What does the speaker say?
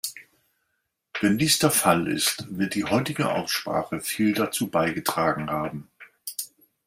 Wenn dies der Fall ist, wird die heutige Aussprache viel dazu beigetragen haben.